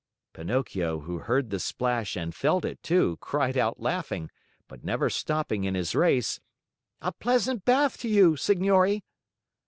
Pinocchio who heard the splash and felt it, too, cried out, laughing, but never stopping in his race: "A pleasant bath to you, signori!"